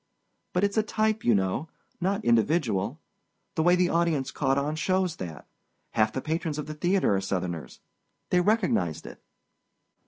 But it's a type, you know—not individual. The way the audience caught on shows that. Half the patrons of that theater are Southerners. They recognized it."